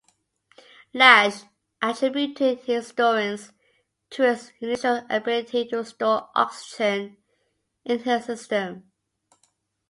Lash attributed his endurance to his unusual ability to store oxygen in his system.